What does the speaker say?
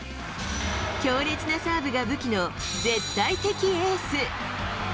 強烈なサーブが武器の、絶対的エース。